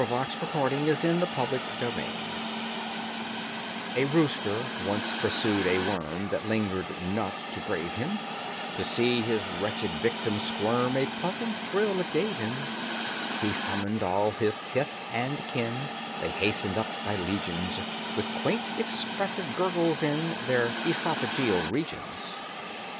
THE PRECIPITATE COCK AND THE UNAPPRECIATED PEARL A rooster once pursued a worm That lingered not to brave him, To see his wretched victim squirm A pleasant thrill it gave him; He summoned all his kith and kin, They hastened up by legions, With quaint, expressive gurgles in Their oesophageal regions.